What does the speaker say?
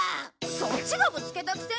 そっちがぶつけたくせに！